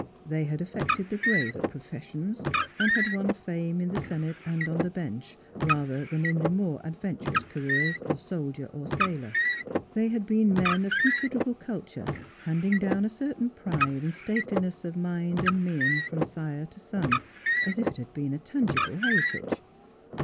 They had affected the graver professions, and had won fame in the Senate and on the Bench, rather than in the more adventurous careers of soldier or sailor. They had been men of considerable culture, handing down a certain pride and stateliness of mind and mien from sire to son, as if it had been a tangible heritage.